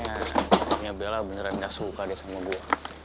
ya bella beneran gak suka deh sama gue